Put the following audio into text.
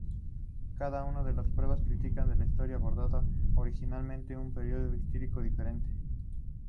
Cada una de las pruebas escritas de historia aborda obligatoriamente un periodo histórico diferente.